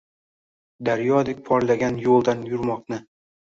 Daryodek porlagan yo’ldan yurmoqni